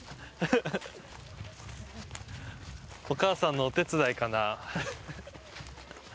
お母さんのお手伝いかな。